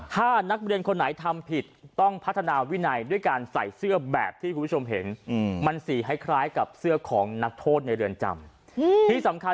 ถ้านักเรียนคนไหนทำผิดต้องพัฒนาวินัยด้วยการใส่เสื้อแบบที่คุณผู้ชมเห็นมันสีคล้ายกับเสื้อของนักโทษในเรือนจำที่สำคัญ